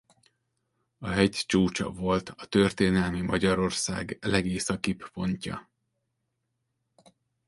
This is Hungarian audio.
A hegy csúcsa volt a történelmi Magyarország legészakibb pontja.